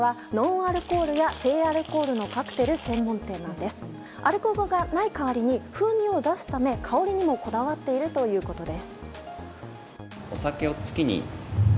アルコールがない代わりに風味を出すため香りにもこだわっているということです。